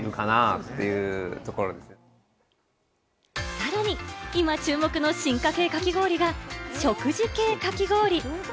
さらに、今注目の進化系かき氷が食事系かき氷。